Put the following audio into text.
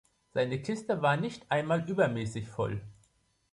Seine Kiste war nicht einmal übermäßig voll.